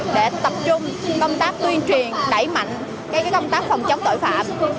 để tập trung công tác tuyên truyền đẩy mạnh công tác phòng chống tội phạm